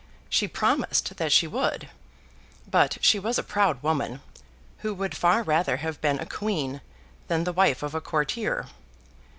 She promised that she would; but she was a proud woman, who would far rather have been a queen than the wife of a courtier.